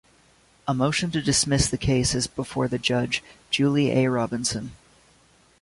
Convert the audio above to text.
A motion to dismiss the case is before the judge, Julie A. Robinson.